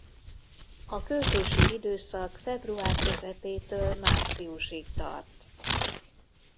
A költési időszak február közepétől márciusig tart.